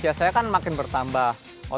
nah si iban memungkinkan judul